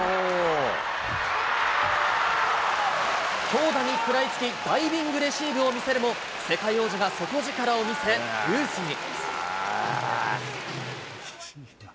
強打に食らいつき、ダイビングレシーブを見せるも、世界王者が底力を見せ、デュースに。